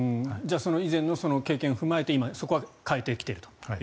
以前の経験を踏まえてそこは変えてきていると。